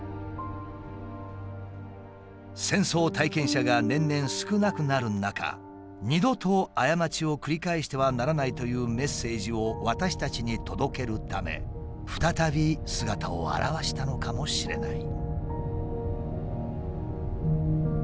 戦争体験者が年々少なくなる中二度と過ちを繰り返してはならないというメッセージを私たちに届けるため再び姿を現したのかもしれない。